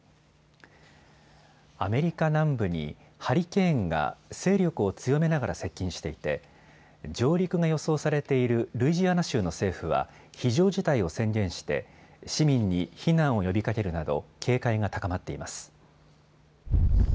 アメリカ南部にハリケーンが勢力を強めながら接近していて上陸が予想されているルイジアナ州の政府は非常事態を宣言して市民に避難を呼びかけるなど警戒が高まっています。